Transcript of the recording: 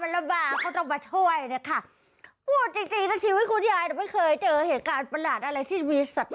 แล้วมาใช้คืนนี้ตัวปัจจุบันนี้ด้วย